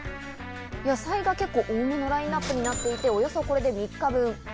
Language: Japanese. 野菜が結構、多いラインナップになっていて、これで３日分。